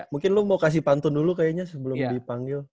mungkin lo mau kasih pantun dulu kayaknya sebelum dipanggil